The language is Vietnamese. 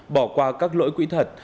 bỏ qua các lỗi quỹ thật